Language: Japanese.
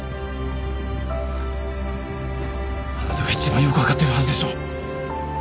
あなたが一番よく分かってるはずでしょ？